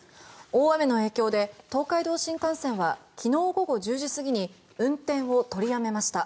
大雨の影響で東海道新幹線は昨日午後１０時過ぎに運転を取りやめました。